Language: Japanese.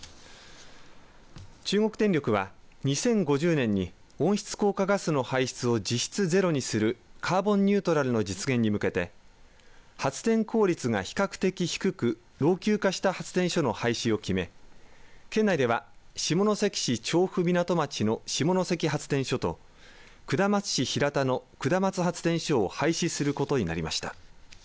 中国電力は２０５０年に温室効果ガスの排出を実質ゼロにするカーボンニュートラルの実現に向けて発電効率が比較的低く老朽化した発電所の廃止を決め県内では、下関市長府港町の下関発電所と下松市平田の下松発電所を廃止することになりました。